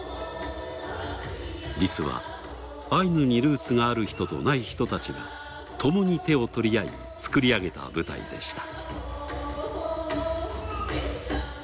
実はアイヌにルーツがある人とない人たちがともに手を取り合い作り上げた舞台でした。